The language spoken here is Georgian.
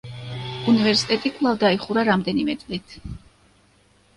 უნივერსიტეტი კვლავ დაიხურა რამდენიმე წლით.